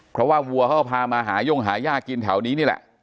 เพราะว่าวัวเขาก็พามาหาย่งหายากกินแถวนี้นี่แหละ